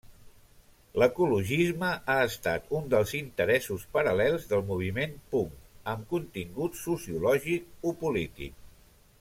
L'ecologisme ha estat un dels interessos paral·lels del moviment punk amb contingut sociològic o polític.